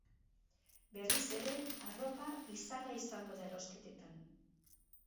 Berriz ere, arropa izarra izango da erosketetan.